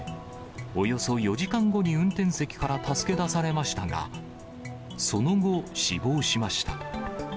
およそ４時間後に運転席から助け出されましたが、その後、死亡しました。